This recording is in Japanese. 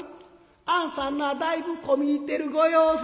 「あんさんなだいぶ込み入ってるご様子」。